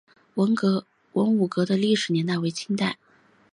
文武阁的历史年代为清代。